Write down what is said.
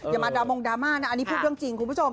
อย่ามาดรามงดราม่านะอันนี้พูดเรื่องจริงคุณผู้ชม